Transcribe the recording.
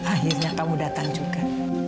akhirnya kamu datang juga